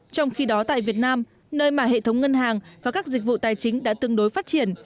trong khi đó tại việt nam nơi mà hệ thống ngân hàng và các dịch vụ tài chính đã tương đối phát triển